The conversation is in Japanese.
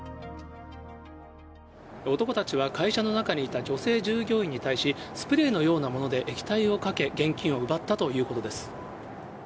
男たちは会社の中にいた女性従業員に対し、スプレーのようなもので液体をかけ、現金を奪ったということです。